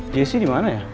jessy dimana ya